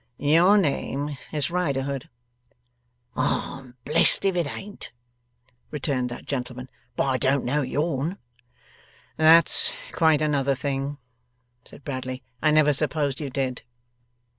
'Your name is Riderhood.' 'I'm blest if it ain't,' returned that gentleman. 'But I don't know your'n.' 'That's quite another thing,' said Bradley. 'I never supposed you did.